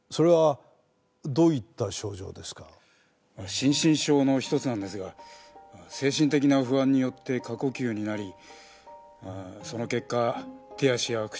心身症の一つなんですが精神的な不安によって過呼吸になりその結果手足や唇のしびれ